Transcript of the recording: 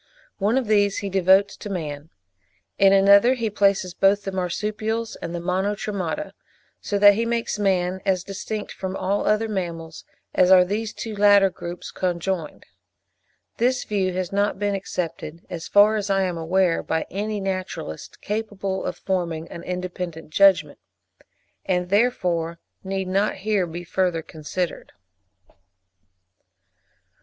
One of these he devotes to man; in another he places both the marsupials and the Monotremata; so that he makes man as distinct from all other mammals as are these two latter groups conjoined. This view has not been accepted, as far as I am aware, by any naturalist capable of forming an independent judgment, and therefore need not here be further considered.